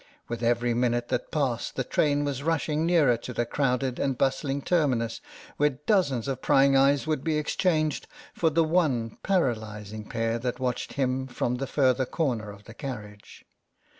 With every minute that passed the train was rushing nearer to the crowded and bustling terminus where dozens of prying eyes would be exchanged for the one paralysing pair that watched him from the further corner of the carriage.